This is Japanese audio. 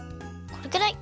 このくらい。